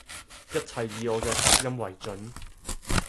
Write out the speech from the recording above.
一切以我嘅發音爲準